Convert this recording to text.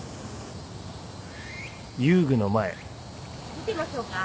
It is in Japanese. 見てましょうか？